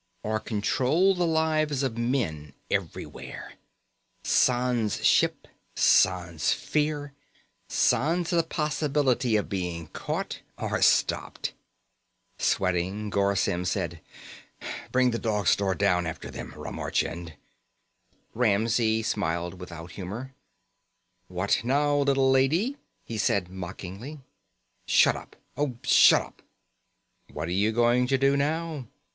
Or control the lives of men, everywhere. Sans ship. Sans fear. Sans the possibility of being caught or stopped. Sweating, Garr Symm said: "Bring the Dog Star down after them, Ramar Chind." Ramsey smiled without humor. "What now, little lady?" he said mockingly. "Shut up. Oh, shut up!" "What are you going to do now?"